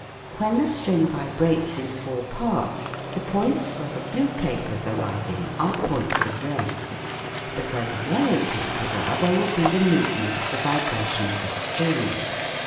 When the string vibrates in four parts the points where the blue papers are riding are points of rest ; but, where the yellow papers are, there will be the movement of the vibration of the string.